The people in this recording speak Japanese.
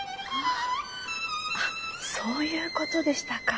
ああっそういうことでしたか。